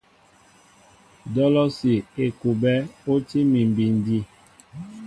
Dolosi / Ekuɓɛ o tí mi bindi.